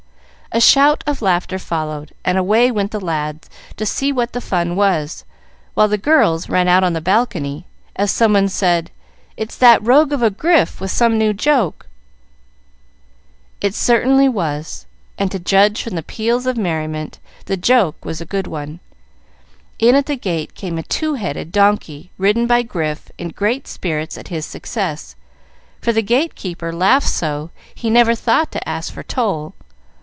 A shout of laughter followed, and away went the lads, to see what the fun was, while the girls ran out on the balcony, as someone said, "It's that rogue of a Grif with some new joke." It certainly was, and, to judge from the peals of merriment, the joke was a good one. In at the gate came a two headed donkey, ridden by Grif, in great spirits at his success, for the gate keeper laughed so he never thought to ask for toll.